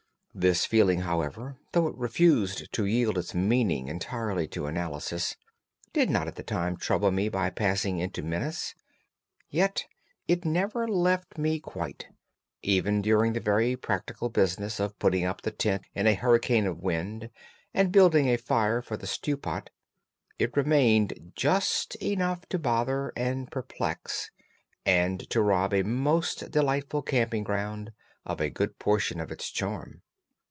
The feeling, however, though it refused to yield its meaning entirely to analysis, did not at the time trouble me by passing into menace. Yet it never left me quite, even during the very practical business of putting up the tent in a hurricane of wind and building a fire for the stew pot. It remained, just enough to bother and perplex, and to rob a most delightful camping ground of a good portion of its charm.